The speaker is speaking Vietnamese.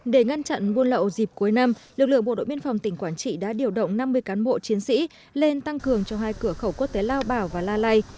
để ngăn chặn buôn lậu dịp cuối năm lực lượng bộ đội biên phòng tỉnh quảng trị đã điều động năm mươi cán bộ chiến sĩ lên tăng cường cho hai cửa khẩu quốc tế lao bảo và la lai